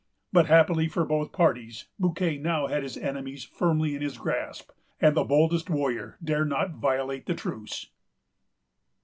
But, happily for both parties, Bouquet now had his enemies firmly in his grasp, and the boldest warrior dared not violate the truce.